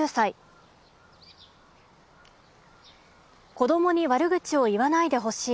「子どもに悪口を言わないでほしい。